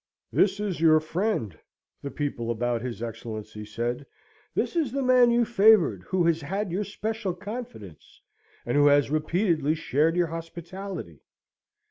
"This is your friend," the people about his Excellency said, "this is the man you favoured, who has had your special confidence, and who has repeatedly shared your hospitality!"